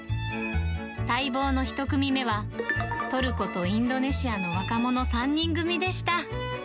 待望の１組目は、トルコとインドネシアの若者３人組でした。